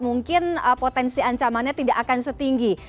mungkin potensi ancamannya tidak akan setinggi